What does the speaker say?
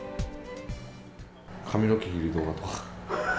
髪の毛切る動画とか。